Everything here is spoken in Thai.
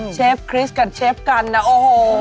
เชฟคริสกับเชฟกันนะโอ้โห